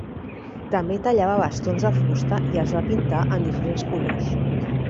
També tallava bastons de fusta i els va pintar en diferents colors.